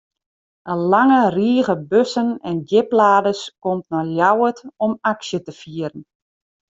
In lange rige bussen en djipladers komt nei Ljouwert om aksje te fieren.